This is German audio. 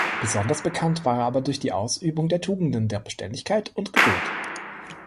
Besonders bekannt war er aber durch die Ausübung der Tugenden der Beständigkeit und Geduld.